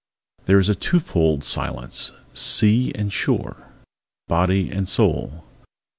There is a two fold Silenceâsea and shoreâ Body and soul.